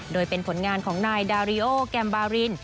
โดยเป็นผลงานของนายดาริโอแกมบาริน